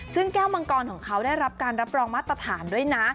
ซึ่งแก้วมังกรของเขาได้รับการรับรองมาตรฐานด้วยนะ